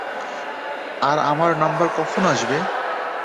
আর আমার নাম্বার কখন আসবে?